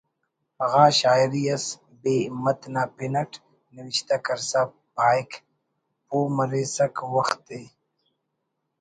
غا شاعری اس ”بے ہمت“ نا پن اٹ نوشتہ کرسا پاہک: پُہہ مریسک وخت ءِ